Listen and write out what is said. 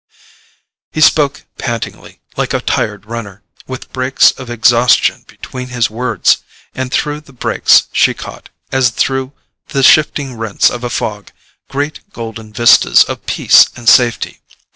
He spoke pantingly, like a tired runner, with breaks of exhaustion between his words; and through the breaks she caught, as through the shifting rents of a fog, great golden vistas of peace and safety.